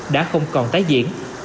đã không còn tái diễn